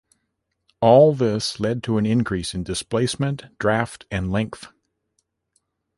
All this led to an increase in displacement, draught and length.